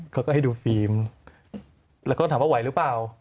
เขาก็ให้ดูฟิล์มแล้วก็ถามว่าไหวหรือเปล่า